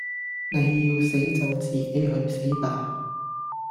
你要死就自己去死吧